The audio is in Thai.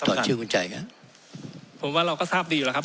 อดชื่อคุณใจกันผมว่าเราก็ทราบดีอยู่แล้วครับ